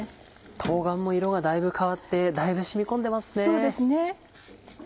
冬瓜も色がだいぶ変わってだいぶ染み込んでますね。